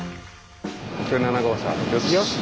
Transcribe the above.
１０７号車よし。